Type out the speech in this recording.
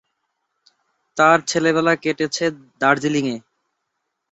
তার ছেলেবেলা কেটেছে দার্জিলিং-এ।